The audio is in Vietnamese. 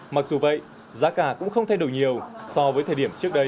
mặc dù vậy giá cả cũng không thay đổi nhiều so với thời điểm trước đây